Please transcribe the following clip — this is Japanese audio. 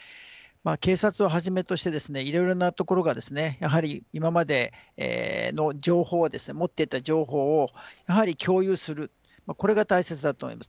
警察をはじめとしていろいろなところがやはり今までの持っていた情報をやはり共有するこれが大切だと思います。